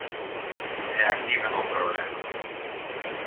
E aquí vén o problema.